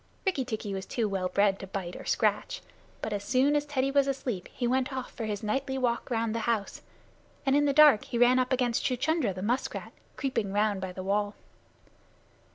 Rikki tikki was too well bred to bite or scratch, but as soon as Teddy was asleep he went off for his nightly walk round the house, and in the dark he ran up against Chuchundra, the musk rat, creeping around by the wall.